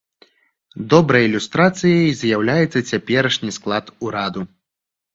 Добрай ілюстрацыяй з'яўляецца цяперашні склад ураду.